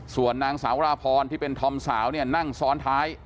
ส่วนนางสาวราพรที่เป็นธอมสาวเนี่ยนั่งซ้อนท้าย